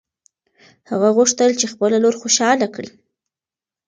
هغه غوښتل چې خپله لور خوشحاله کړي.